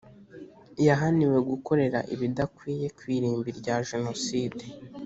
Yahaniwe gukorera ibidakwiye ku irimbi rya Jenoside